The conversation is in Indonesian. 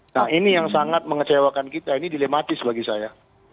nah ini yang sangat mengecewakan kita ini dilematis bagi saya